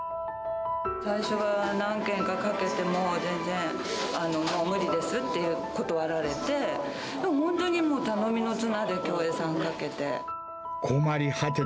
最初は何軒かかけても、全然、もう無理ですって断られて、もう本当に頼みの綱で、共栄さんにかけて。